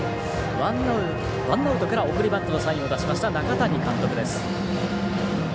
ワンアウトから送りバントのサインを出しました中谷監督です。